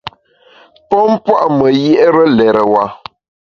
Pon pua’ me yié’re lérewa.